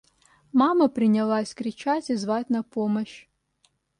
Мама принялась кричать и звать на помощь.